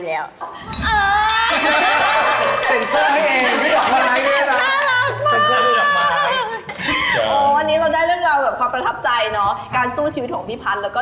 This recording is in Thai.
ไม่มีใครเข้าใจแล้วก็